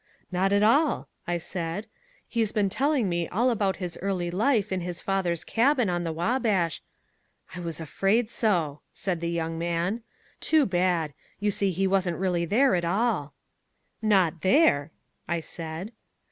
"Not at all," I said, "he's been telling me all about his early life in his father's cabin on the Wabash " "I was afraid so," said the young man. "Too bad. You see he wasn't really there at all." "Not there!" I said.